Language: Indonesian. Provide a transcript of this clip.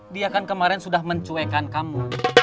dia kan kemarin sudah mencuekan kamu